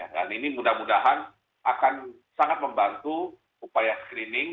dan ini mudah mudahan akan sangat membantu upaya screening